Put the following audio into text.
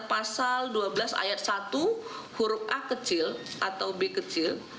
pasal dua belas ayat satu huruf a kecil atau b kecil